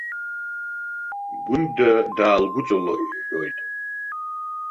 Гәында даалгәыҵалыҳәҳәоит.